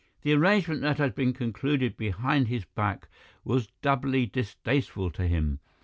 The arrangement that had been concluded behind his back was doubly distasteful to him.